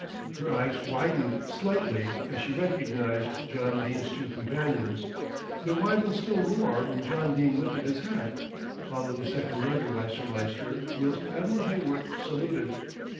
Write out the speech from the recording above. Her eyes widened slightly as she recognised John Dene's two companions; they widened still more when John Dene lifted his hat, followed a second later by Sir Lyster, whilst Admiral Heyworth saluted.